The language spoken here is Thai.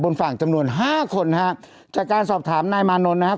ฝั่งจำนวนห้าคนฮะจากการสอบถามนายมานนท์นะครับ